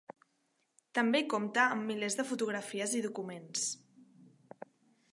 També compta amb milers de fotografies i documents.